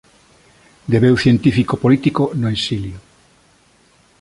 Deveu científico político no exilio.